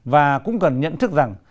và cũng cần nhận thức rằng